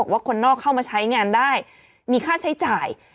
ว่าคนนอกเข้ามาใช้งานได้มีค่าใช้จ่าย